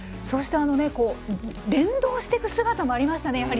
そして、連動していく姿もありましたね。